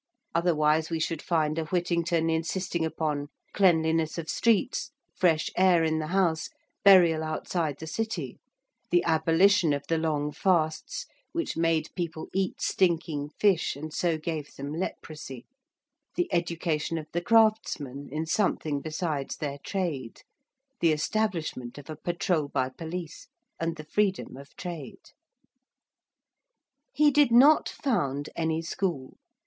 Otherwise we should find a Whittington insisting upon cleanliness of streets: fresh air in the house: burial outside the City: the abolition of the long fasts which made people eat stinking fish and so gave them leprosy: the education of the craftsmen in something besides their trade: the establishment of a patrol by police: and the freedom of trade. He did not found any school.